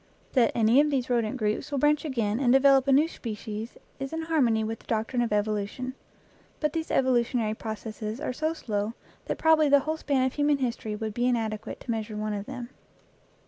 That any of these rodent groups will branch again and develop a new species is in harmony with the doctrine of evolution. But these evolutionary proc esses are so slow that probably the whole span of human history would be inadequate to measure one of them.